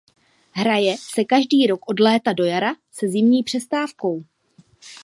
Hraje se každý rok od léta do jara se zimní přestávkou.